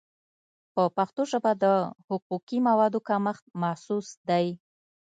په پښتو ژبه د حقوقي موادو کمښت محسوس دی.